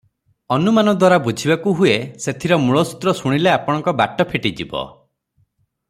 ଅନୁମାନ ଦ୍ୱାରା ବୁଝିବାକୁ ହୁଏ ସେଥିର ମୂଳସୂତ୍ର ଶୁଣିଲେ ଆପଣଙ୍କ ବାଟ ଫିଟିଯିବ ।